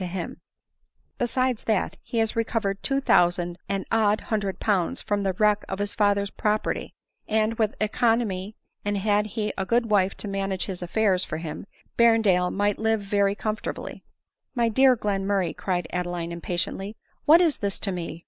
to him ; besides that, he has recovered two thousand and odd hundred pounds from the wreck of his father's pro perty ; and with economy, and had he a good wife to man age his affairs for him, Berrendale might lire very com fortably." " My dear Glenmurray," cried Adeline impatiently, " what is this to me